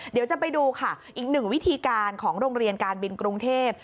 เดี๋ยวจะไปดูค่ะอีกหนึ่งวิธีการของโรงเรียนการบินกรุงเทพ